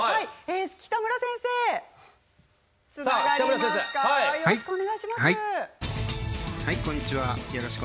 北村先生、よろしくお願いします。